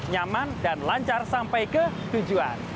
nyaman dan lancar sampai ke tujuan